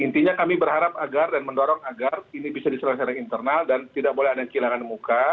intinya kami berharap agar dan mendorong agar ini bisa diselesaikan internal dan tidak boleh ada yang kehilangan muka